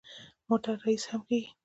موټر ریس هم کېږي.